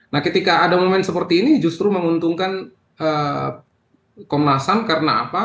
nah ketika ada momen seperti ini justru menguntungkan komnasam karena apa